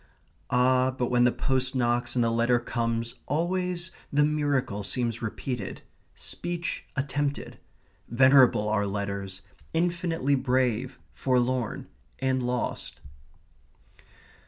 Ah, but when the post knocks and the letter comes always the miracle seems repeated speech attempted. Venerable are letters, infinitely brave, forlorn, and lost.